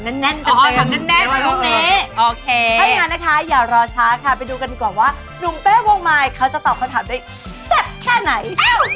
ถ้างั้นนะคะอย่ารอช้าค่ะไปดูกันดีกว่าว่านุ่มเป้วงไมค์เขาจะตอบคำถามได้เซ็บแค่ไหน